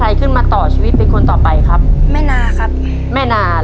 ตัวเลือดที่๓ม้าลายกับนกแก้วมาคอ